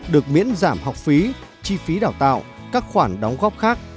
được miễn giảm học phí chi phí đào tạo các khoản đóng góp khác